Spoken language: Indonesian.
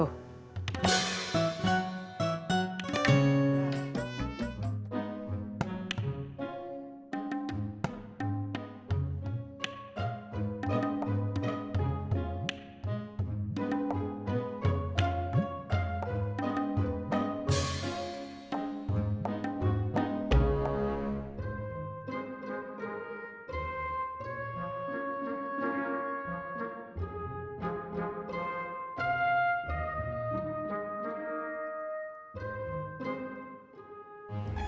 oh seperti itu